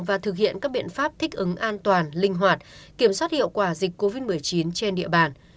và thực hiện các biện pháp thích ứng an toàn linh hoạt kiểm soát hiệu quả dịch covid một mươi chín trên địa bàn